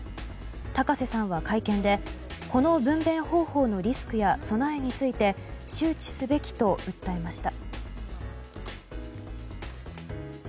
高瀬さんは会見でこの分娩方法のリスクや備えについて周知すべきと訴えました。